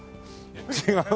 違う？